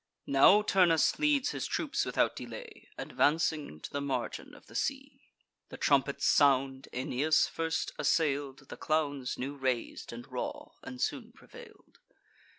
Now Turnus leads his troops without delay, Advancing to the margin of the sea. The trumpets sound: Aeneas first assail'd The clowns new rais'd and raw, and soon prevail'd.